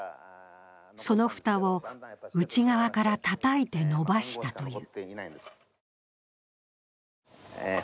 その蓋を内側からたたいて伸ばしたという。